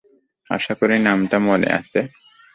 আশা করি নামটা মনে আছে?